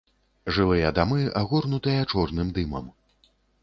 Жылыя дамы агорнутыя чорным дымам.